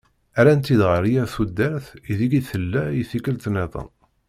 Rran-tt-id ɣer yir tudert i deg i tella i tikelt niḍen.